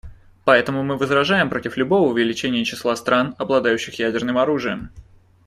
Поэтому мы возражаем против любого увеличения числа стран, обладающих ядерным оружием.